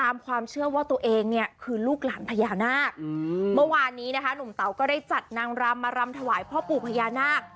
เมื่อวานนี้นะคะหนุ่มเต๋าก็ได้จัดนางรำมารำถวายพ่อปู่พญานาค